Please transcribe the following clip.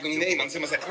すみません」